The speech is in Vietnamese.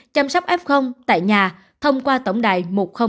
chăm sóc f tại nhà thông qua tổng đài một nghìn hai mươi hai